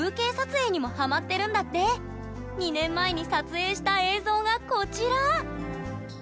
実は２年前に撮影した映像がこちら！